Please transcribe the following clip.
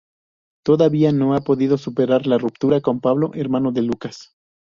Todavía no ha podido superar la ruptura con Pablo, hermano de Lucas.